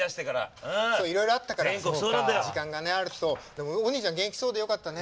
でもお兄ちゃん元気そうでよかったね。